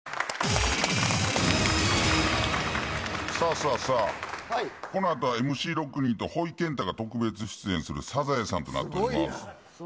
さあさあ、このあとはＭＣ６人とほいけんたが特別出演する「サザエさん」となっております。